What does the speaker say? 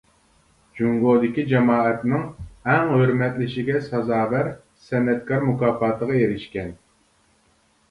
جۇڭگودىكى جامائەتنىڭ ئەڭ ھۆرمەتلىشىگە سازاۋەر سەنئەتكار مۇكاپاتىغا ئېرىشكەن.